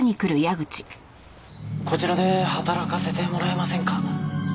こちらで働かせてもらえませんか？